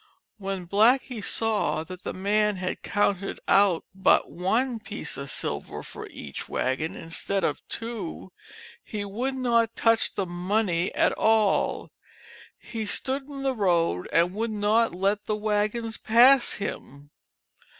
When Blackie saw that the man had counted out but one piece of silver for each wagon, instead of two, he would not touch the money at all. He stood in the road and would not let the wagons pass him.